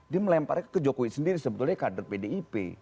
dia melemparnya ke jokowi sendiri sebetulnya kader pdip